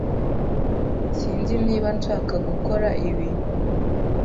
Sinzi niba nshaka gukora ibi.